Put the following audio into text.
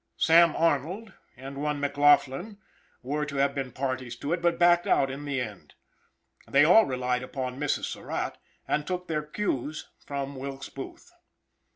"Sam" Arnold and one McLaughlin were to have been parties to it, but backed out in the end. They all relied upon Mrs. Surratt, and took their "cues" from Wilkes Booth.